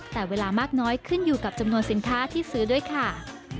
แต่เวลามากน้อยขึ้นอยู่กับจำนวนสินค้าที่ซื้อด้วยค่ะ